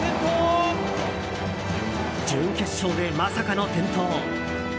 準決勝でまさかの転倒。